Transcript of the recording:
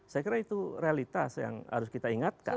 saya kira itu realitas yang harus kita ingatkan